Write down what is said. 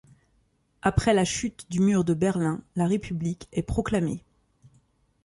Après la chute du mur de Berlin, la République est proclamée.